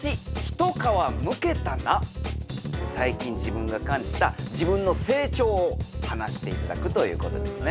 最近自分が感じた自分の成長を話していただくということですね。